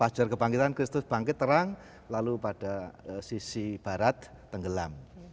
pelajar kebangkitan kristus bangkit terang lalu pada sisi barat tenggelam